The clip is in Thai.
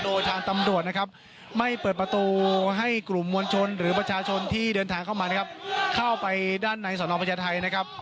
โดยทางตำรวจไม่เปิดประตูให้กลุ่มมวลชนหรือประชาชนที่เดินทางเข้าไปด้านในสนพญาไทย